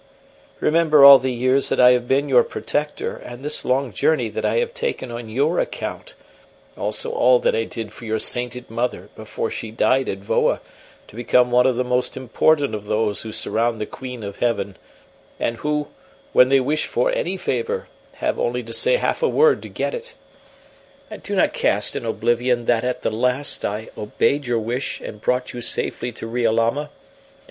Remember all the years that I have been your protector, and this long journey that I have taken on your account; also all that I did for your sainted mother before she died at Voa, to become one of the most important of those who surround the Queen of Heaven, and who, when they wish for any favour, have only to say half a word to get it. And do not cast in oblivion that at the last I obeyed your wish and brought you safely to Riolama.